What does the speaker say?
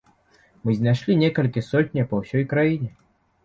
Мы знайшлі некалькі сотняў па ўсёй краіне!